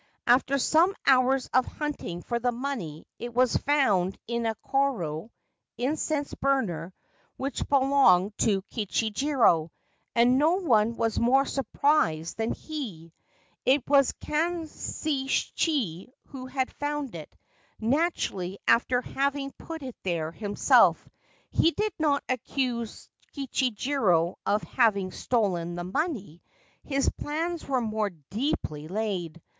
After some hours of hunting for the money it was found in a koro (incense burner) which belonged to Kichijiro, and no one was more surprised than he. It was Kanshichi who had found it, naturally, after having put it there himself; he did not accuse Kichijiro of having stolen the money — his plans were more deeply laid.